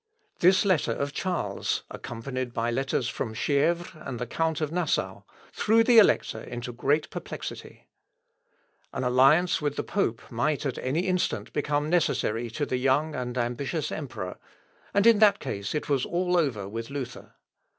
This letter of Charles, accompanied by letters from Chievres and the Count of Nassau, threw the Elector into great perplexity. An alliance with the pope might at any instant become necessary to the young and ambitious emperor, and in that case it was all over with Luther.